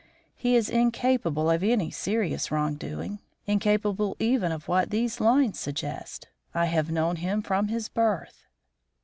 He is incapable of any serious wrong doing; incapable even of what these lines suggest. I have known him from his birth."